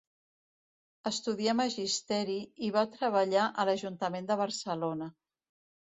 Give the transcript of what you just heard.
Estudià magisteri i va treballar a l'ajuntament de Barcelona.